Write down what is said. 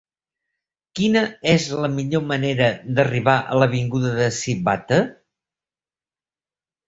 Quina és la millor manera d'arribar a l'avinguda de Sivatte?